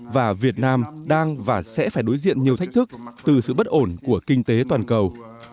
và việt nam đang và sẽ phải đối diện nhiều thách thức từ sự bất ổn của kinh tế toàn cầu